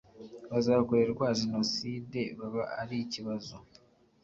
bazakorerwa jenosidebaba ari ikibazo